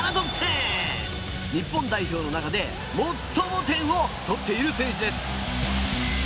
日本代表の中で最も点を取っている選手です。